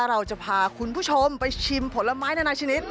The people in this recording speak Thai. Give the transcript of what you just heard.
เราจะพาคุณผู้ชมไปชิมผลไม้นานาชนิด